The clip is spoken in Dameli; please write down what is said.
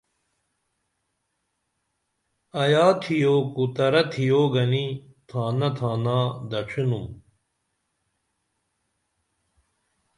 ایا تِھیو کو ترا تِھیو گنی تھانہ تھانا دڇھینُم